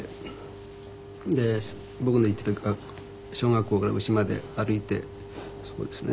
で僕の行ってた小学校から家まで歩いてそうですね。